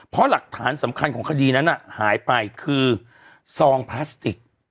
เพราะหลักฐานสำคัญของคดีนั้นหายไปคือซองพลาสติก